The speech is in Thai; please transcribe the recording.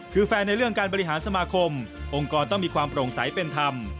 คือแฟนในเรื่องการบริหารสมาคมองค์กรต้องมีความโปร่งใสเป็นธรรม